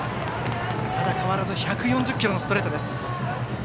ただ、変わらず１４０キロのストレートです。